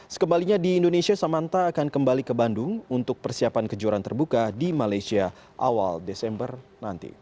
sekembalinya di indonesia samanta akan kembali ke bandung untuk persiapan kejuaraan terbuka di malaysia awal desember nanti